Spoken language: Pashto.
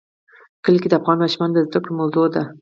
کلي د افغان ماشومانو د زده کړې موضوع ده.